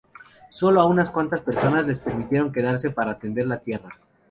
Sólo a unas cuantas personas les permitieron quedarse para atender la tierra.